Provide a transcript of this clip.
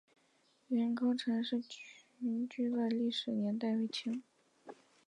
元坑陈氏民居的历史年代为清。